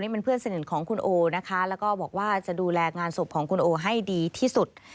เป็นเพื่อนสนิทของคุณโอนะคะแล้วก็บอกว่าจะดูแลงานศพของคุณโอให้ดีที่สุด